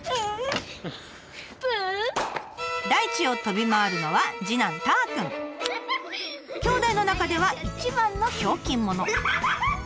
大地を飛び回るのはきょうだいの中では一番のひょうきん者。